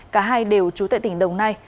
cả hai đều trú tại tỉnh đồng nai